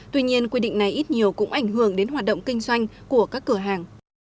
tuy nhiên quy định này ít nhiều cũng ảnh hưởng đến hoạt động kinh doanh của các cửa hàng